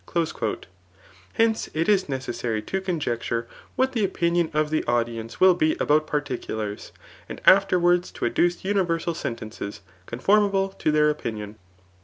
*' Hence, it is necessary to conjecture what the opinion of the audience will be ^hout particulars, and afterwards to adduce universal ^sentences conform^e to their opinion.